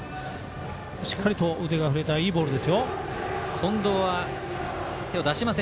しっかりと腕が振れたいいボールですよ。